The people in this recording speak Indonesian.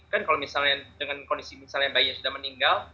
kan kalau misalnya dengan kondisi misalnya bayinya sudah meninggal